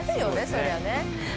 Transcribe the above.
そりゃね。